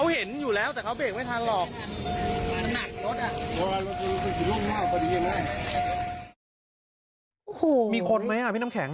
ฮูมีคนไหมพี่น้ำแข็ง